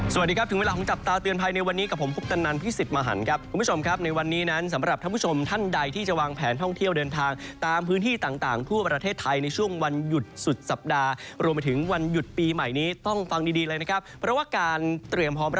สวัสดีครับถึงเวลาของจับตาเตือนภัยในวันนี้กับผมคุปตันนันพี่สิทธิ์มหันครับคุณผู้ชมครับในวันนี้นั้นสำหรับท่านผู้ชมท่านใดที่จะวางแผนท่องเที่ยวเดินทางตามพื้นที่ต่างทั่วประเทศไทยในช่วงวันหยุดสุดสัปดาห์รวมไปถึงวันหยุดปีใหม่นี้ต้องฟังดีดีเลยนะครับเพราะว่าการเตรียมพร้อมรับ